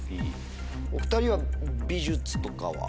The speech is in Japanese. お２人は美術とかは？